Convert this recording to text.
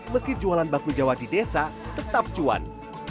meski jualan bakmi jawa di desa tetap cuan